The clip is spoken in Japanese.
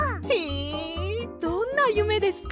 どんなゆめですか？